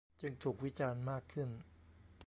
จึงถูกวิจารณ์มากขึ้น